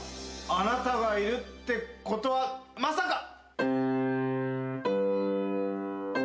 あなたがいるってことはまさか。